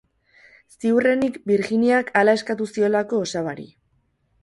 Ziurrenik Virginiak hala eskatu ziolako osabari.